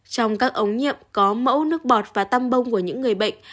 trong các ống nhiệm có mẫu nước bọt và tăm bông của những người bệnh